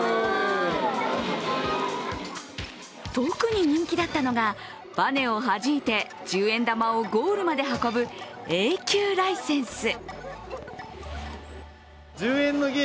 特に人気だったのがバネをはじいて十円玉をゴールまで運ぶＡ級ライセンス。